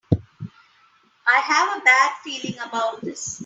I have a bad feeling about this!